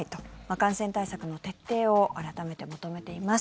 感染対策の徹底を改めて求めています。